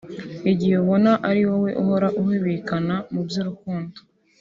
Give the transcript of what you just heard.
Igihe ubona ari wowe uhora uhihibikana mu by’urukundo